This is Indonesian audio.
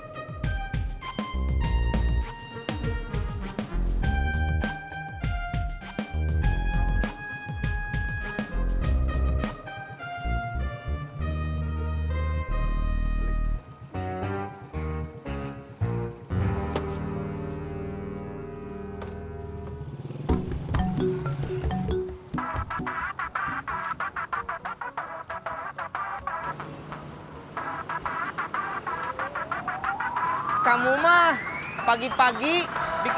pak saya janji deh pak